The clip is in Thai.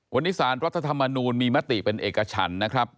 วันนี้สารรัฐธรรมนูลมีมติเป็นเอกฉันนะครับ